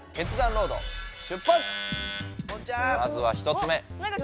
まずは１つ目。